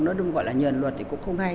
nó được gọi là nhờn luật thì cũng không hay